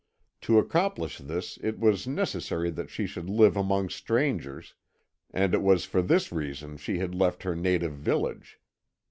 To accomplish this it was necessary that she should live among strangers, and it was for this reason she had left her native village.